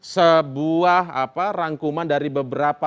sebuah rangkuman dari beberapa